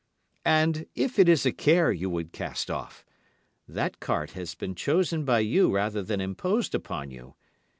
And if it is a care you would cast off, that cart has been chosen by you rather than imposed upon you.